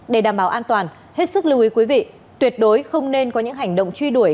để đảm bảo an toàn hết sức lưu ý quý vị tuyệt đối không nên có những hành động truy đuổi